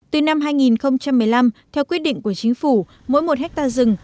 từ năm hai nghìn một mươi năm theo quyết định của chính phủ mỗi một ha rừng